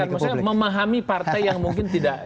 maksudnya memahami partai yang mungkin tidak